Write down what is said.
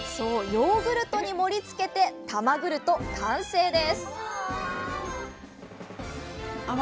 ヨーグルトに盛りつけて「たまグルト」完成です！